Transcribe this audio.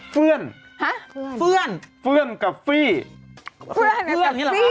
เฟื่อนเฟื่อนกับฟรี่เฟื่อนน่ะครับค่ะ